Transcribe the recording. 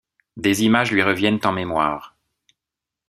Des images lui reviennent en mémoire.